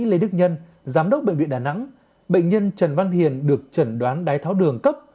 thế đức nhân giám đốc bệnh viện đà nẵng bệnh nhân trần văn hiền được trần đoán đáy tháo đường cấp